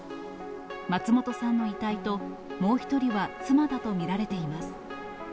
松本さんの遺体と、もう１人は妻だと見られています。